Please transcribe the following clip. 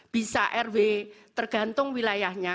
bisa rw tergantung wilayahnya